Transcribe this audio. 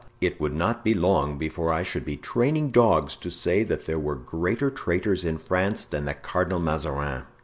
it would not be long before I should be training dogs to say that there were greater traitors in France than the Cardinal Mazarin!"